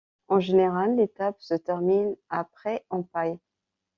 En général, l'étape se termine à Pré-en-Pail.